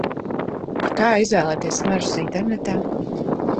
Kā izvēlēties smaržas internetā?